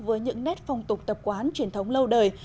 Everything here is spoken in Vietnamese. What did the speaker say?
với những nét phong tục tập quán truyền thống lâu đời